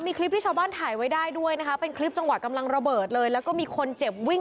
มีคลิปจังหวัดกำลังระเบิดเลยแล้วก็มีคนเจ็บวิ่ง